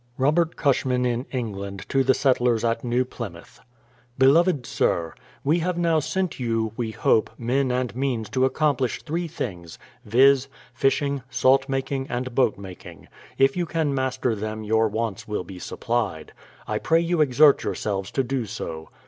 Robert Cushman in England to the Settlers at New Plymouth: Beloved Sir, We have now sent you, we hope, men and means to accomplish three things, viz., fishing, salt making, and boat making: if you can master them your wants will be supplied. I pray you exert your selves to do so.